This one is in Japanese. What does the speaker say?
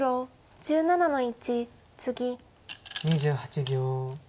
２８秒。